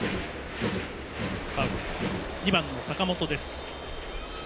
２番の坂本です。